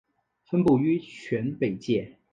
分布于全北界。